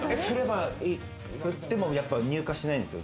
降っても乳化しないんですよ